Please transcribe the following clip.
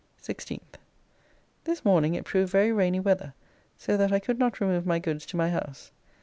16th, This morning it proved very rainy weather so that I could not remove my goods to my house.